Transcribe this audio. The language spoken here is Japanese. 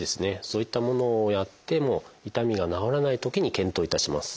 そういったものをやっても痛みが治らないときに検討いたします。